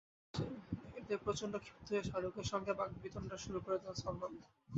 এতে প্রচণ্ড ক্ষিপ্ত হয়ে শাহরুখের সঙ্গে বাগবিতণ্ডা শুরু করে দেন সালমান।